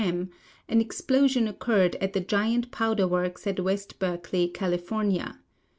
m., an explosion oc curred at the giant powder works at LVest Berkeley, California.